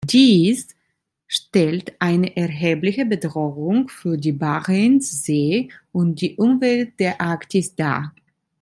Dies stellt eine erhebliche Bedrohung für die Barentssee und die Umwelt der Arktis dar.